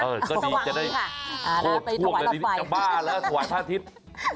สว่างนี้ค่ะโทษเลยดีจะบ้าแล้วถวายพระอาทิตย์